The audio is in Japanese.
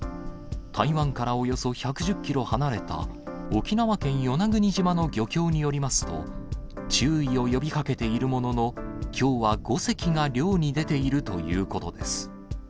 台湾からおよそ１１０キロ離れた、沖縄県与那国島の漁協によりますと、注意を呼びかけているものの、きょうは５隻が漁に出ているということです。